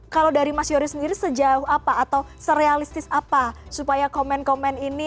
kalau dari mas yoris sendiri sejauh apa atau serealistis apa supaya komen komen ini